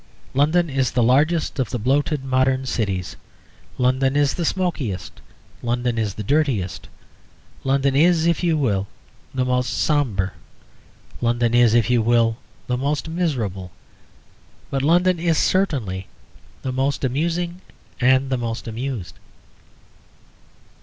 London is the largest of the bloated modern cities; London is the smokiest; London is the dirtiest; London is, if you will, the most sombre; London is, if you will, the most miserable. But London is certainly the most amusing and the most amused.